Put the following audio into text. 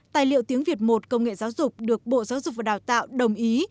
tài liệu tiếng việt một công nghệ giáo dục được bộ giáo dục và đào tạo đồng ý